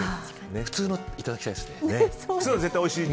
普通のいただきたいですね。